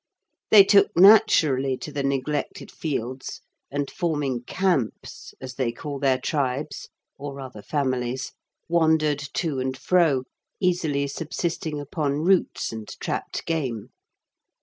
They took naturally to the neglected fields, and forming "camps" as they call their tribes, or rather families, wandered to and fro, easily subsisting upon roots and trapped game.